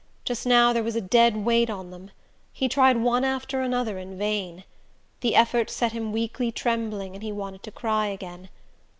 Just now there was a dead weight on them; he tried one after another in vain. The effort set him weakly trembling, and he wanted to cry again.